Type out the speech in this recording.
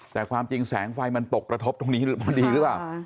แต่ความจริงแสงไฟมันตกกระทบตรงนี้พอดีหรือเปล่า